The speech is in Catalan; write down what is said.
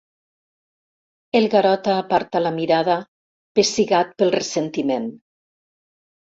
El Garota aparta la mirada, pessigat pel ressentiment.